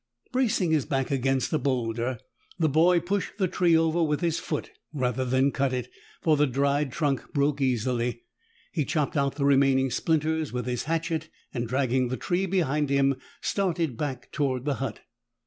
Bracing his back against a boulder, the boy pushed the tree over with his foot rather than cut it, for the dried trunk broke easily. He chopped out the remaining splinters with his hatchet and, dragging the tree behind him, started back toward the hut.